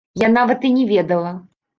Я нават і не ведала!